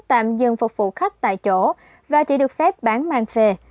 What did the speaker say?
tạm dừng phục vụ khách tại chỗ và chỉ được phép bán mang xe